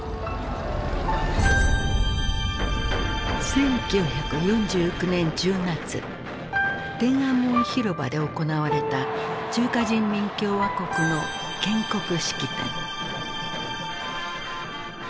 １９４９年１０月天安門広場で行われた中華人民共和国の建国式典。